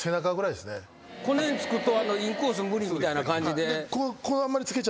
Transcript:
この辺つくとインコース無理みたいな感じで。